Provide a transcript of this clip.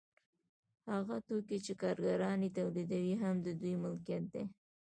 هغه توکي چې کارګران یې تولیدوي هم د دوی ملکیت دی